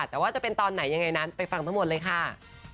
แต่ว่าจะเป็นตอนไหนยังไงนั้นไปฟังทั้งหมดเลยค่ะ